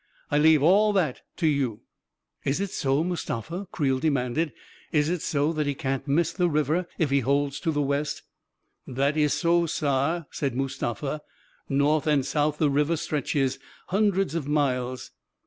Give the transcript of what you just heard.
I leave all that to you. 9 '" Is it so, Mustafa ?" Creel demanded. " Is it so that he can't miss the river if he holds to the west? "" That iss so, saar," said Mustafa. " North and south the river stretches, hundreds of miles."